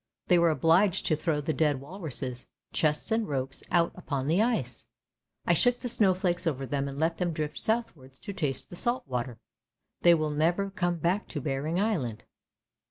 They were obliged to throw the dead wulruses, chests and ropes out upon the ice! I shook the snowflakes over them and let them drift southwards to taste the salt water. They will never come back to Behring Island!